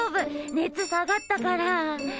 熱下がったから。